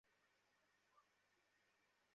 চারদিকে ভালোমতো খুঁজে দেখ।